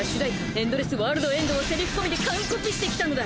『エンドレスワールドエンド』をセリフ込みで完コピしてきたのだ！